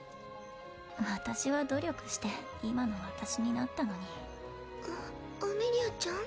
私は努力して今の私になったのにアメリアちゃん？